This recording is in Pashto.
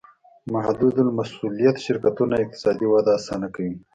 محدودالمسوولیت شرکتونه اقتصادي وده اسانه کوي.